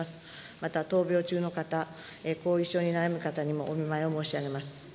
また、闘病中の方、後遺症に悩む方にもお見舞いを申し上げます。